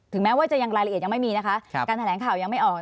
ถึงแม้ว่าจะยังรายละเอียดยังไม่มีนะคะ